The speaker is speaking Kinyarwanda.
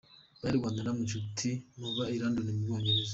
Banyarwanda namwe nshuti muba i London mu Bwongereza,.